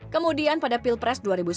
kemudian pada pilpres dua ribu sembilan belas